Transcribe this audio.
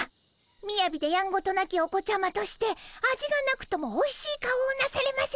みやびでやんごとなきお子ちゃまとして味がなくともおいしい顔をなされませ！